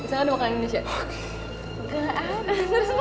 ngerusakin hubungan dia dengan si roman pichisan itu